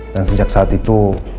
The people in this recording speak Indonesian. dan sejak saat itu